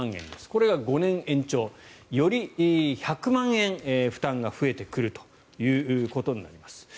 これが５年延長。より１００万円負担が増えてくるということになります。